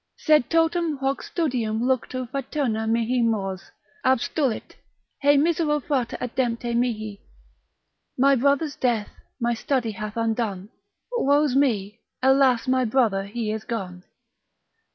Sed totum hoc studium luctu fraterna mihi mors Abstulit, hei misero frater adempte mihi? My brother's death my study hath undone, Woe's me, alas my brother he is gone.